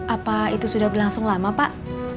apa itu sudah berlangsung lama pak